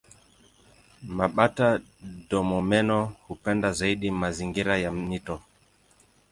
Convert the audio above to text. Mabata-domomeno hupenda zaidi mazingira ya mito.